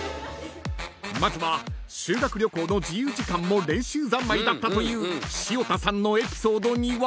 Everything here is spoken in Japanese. ［まずは修学旅行の自由時間も練習三昧だったという潮田さんのエピソードには］